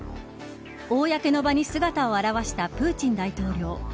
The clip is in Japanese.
公の場に姿を現したプーチン大統領。